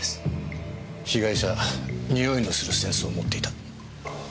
被害者匂いのする扇子を持っていた。